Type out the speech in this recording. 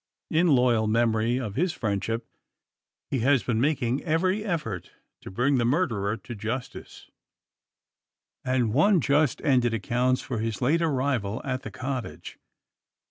In loyal memory of this friendship, he has been making every effort to bring the murderer to justice; and one just ended accounts for his late arrival at the cottage.